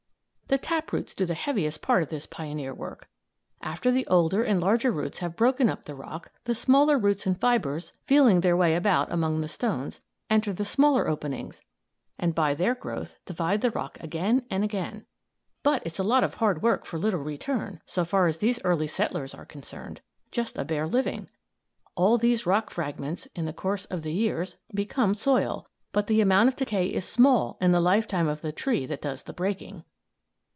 The tap roots do the heaviest part of this pioneer work. After the older and larger roots have broken up the rock, the smaller roots and fibres, feeling their way about among the stones, enter the smaller openings and by their growth divide the rock again and again. But it's a lot of hard work for little return, so far as these early settlers are concerned; just a bare living. All these rock fragments, in the course of the years, become soil, but the amount of decay is small in the lifetime of the tree that does the breaking.